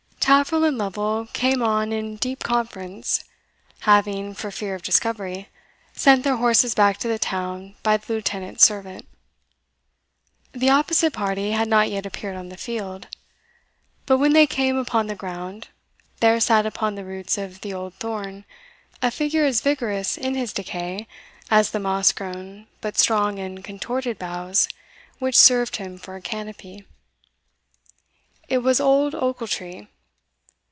Taffril and Lovel came on in deep conference, having, for fear of discovery, sent their horses back to the town by the Lieutenant's servant. The opposite party had not yet appeared on the field. But when they came upon the ground, there sat upon the roots of the old thorn a figure as vigorous in his decay as the moss grown but strong and contorted boughs which served him for a canopy. It was old Ochiltree.